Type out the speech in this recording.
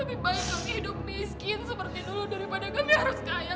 lebih baik lebih hidup miskin seperti dulu daripada kami harus kaya